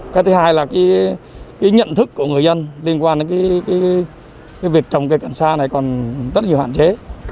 cái thứ hai là cái nhận thức của người dân liên quan đến cái việc trồng cây cận sa này còn rất nhiều hạn chế